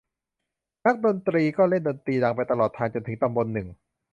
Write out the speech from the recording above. นักดนตรีก็เล่นดนตรีดังไปตลอดทาง จนถึงตำบลหนึ่ง